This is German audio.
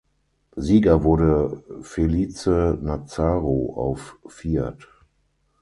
Sieger wurde Felice Nazzaro auf Fiat.